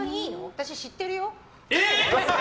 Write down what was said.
私、知ってるよ？